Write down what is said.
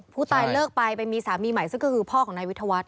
ผู้ตายเลิกไปไปมีสามีใหม่ซึ่งก็คือพ่อของนายวิทยาวัฒน